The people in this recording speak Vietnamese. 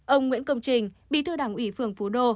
ông nguyễn công trình bí thư đảng ủy phường phú đô